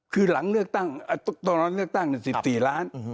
คือหลังเลือกตั้งตอนนั้นเลือกตั้ง๑๔ล้าน